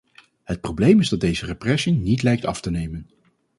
Het probleem is dat deze repressie niet lijkt af te nemen.